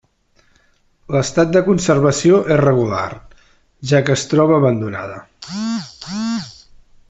L'estat de conservació és regular, ja que es troba abandonada.